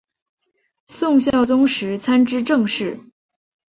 宋孝宗时参知政事。